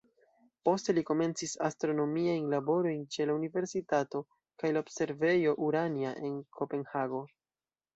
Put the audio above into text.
Poste li komencis astronomiajn laborojn ĉe la universitato kaj la observejo "Urania" en Kopenhago.